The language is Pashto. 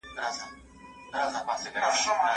آیا د وچو مېوو ساتل ځانګړو ځایونو ته اړتیا لري؟.